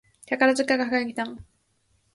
宝塚歌劇団